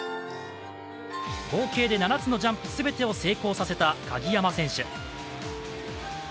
合計で７つのジャンプ全てを成功させた鍵山選手。